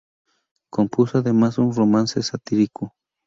Compuso además un romance satírico.